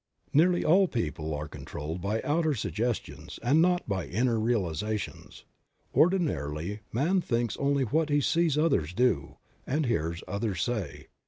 j^EARLY all people are controlled by outer suggestions, and not by inner realizations. Ordinarily man thinks only what he sees others do, and hears others say.